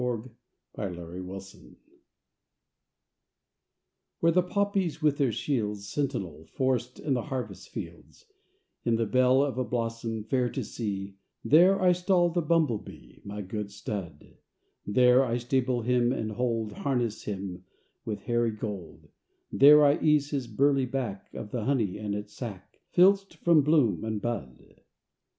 SONG OF THE ELF I Where the poppies, with their shields, Sentinel Forest and the harvest fields, In the bell Of a blossom, fair to see, There I stall the bumblebee, My good stud; There I stable him and hold, Harness him with hairy gold; There I ease his burly back Of the honey and its sack Filched from bloom and bud.